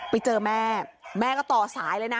ไปเจอแม่แม่ก็ต่อสายเลยนะ